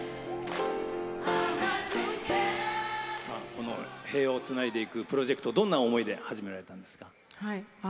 この平和をつないでいくプロジェクトどんな思いで始められたんですか？